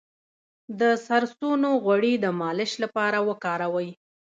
د سرسونو غوړي د مالش لپاره وکاروئ